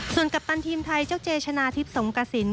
ส่วนกัปตันทีมไทยเจ้าเจชนะทิพย์สงกระสิน